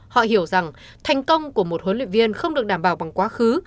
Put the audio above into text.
họ hiểu rằng thành công của một huấn luyện viên không được đảm bảo bằng quá khứ